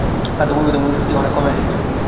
খাদ্যবহির্ভূত মূল্যস্ফীতি অনেক কমে এসেছে।